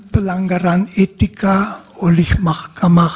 peranggaran etika oleh mahkamah